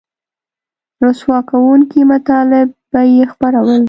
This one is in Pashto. رسوا کوونکي مطالب به یې خپرول